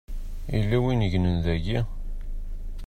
Yella win i yegnen daki.